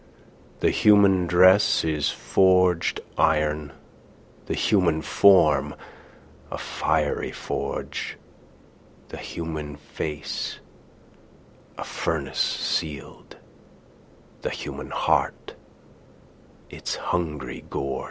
The human dress is forgèd iron, The human form a fiery forge, The human face a furnace sealed, The human heart its hungry gorge.